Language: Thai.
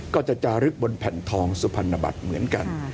ก็จะจารึกบนแผ่นทองสุพรรณบัตรเหมือนกัน